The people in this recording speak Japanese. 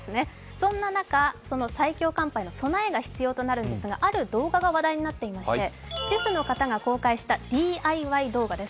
そんな中、最強寒波の備えが必要になりますがある動画が話題になっていまして主婦の方が公開したＤＩＹ動画です。